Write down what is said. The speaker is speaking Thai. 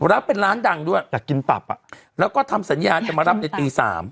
รับเป็นร้านดังด้วยอยากกินตับอ่ะแล้วก็ทำสัญญาจะมารับในตี๓